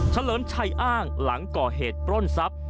เลิมชัยอ้างหลังก่อเหตุปล้นทรัพย์